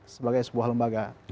sebagai sebuah lembaga